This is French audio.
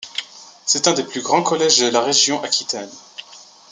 C’est un des plus grands collèges de la région Aquitaine.